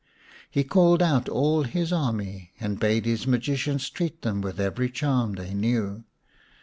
So he called out all his army and bade his magicians treat them with every charm they knew.